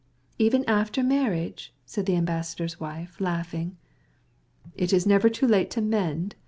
"Even after marriage?" said the ambassador's wife playfully. "'It's never too late to mend.